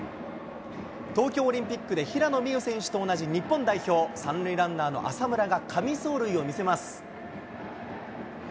東京オリンピックで平野美宇選手と同じ日本代表、３塁ランナーの浅村が神走塁を見せます。